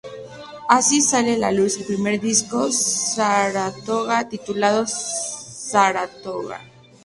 Así, sale a la luz el primer disco de Saratoga, titulado Saratoga.